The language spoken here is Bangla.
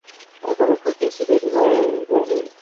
এখনও খুব বেশি দেরি হয়ে যায়নি।